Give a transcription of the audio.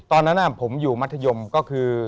ตอนนั้นผมอยู่มัธยมก็คือ